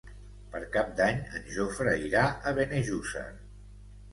Per Cap d'Any en Jofre irà a Benejússer.